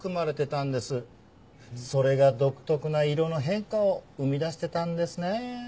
それが独特な色の変化を生み出してたんですねえ。